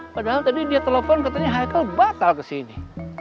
padahal tadi dia telepon katanya haikal batal kesini